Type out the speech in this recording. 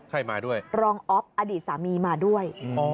ให้มาด้วยรองอ๊อฟอดีตสามีมาด้วย